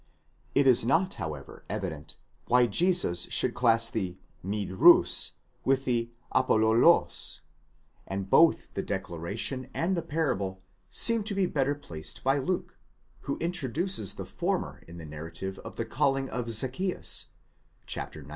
It is not, however, evident why Jesus should class the μικροὺς with the ἀπολωλὸς (dost) ; and both the declaration and the parable seem to be better placed by Luke, who intro duces the former in the narrative of the calling of Zaccheus (xix.